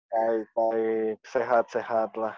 baik baik sehat sehat lah